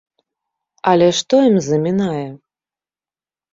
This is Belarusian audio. Але што ім замінае?